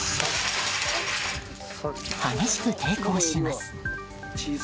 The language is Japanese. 激しく抵抗します。